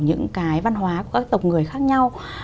những cái văn hóa của các tộc người khác nhau